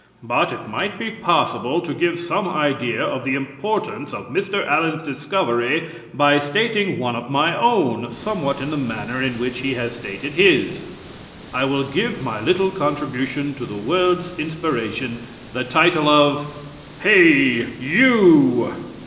But it might be possible to give some idea of the importance of Mr. Allen's discovery by stating one of my own, somewhat in the manner in which he has stated his. I will give my little contribution to the world's inspiration the title of HEY, YOU!